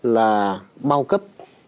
là bao cấp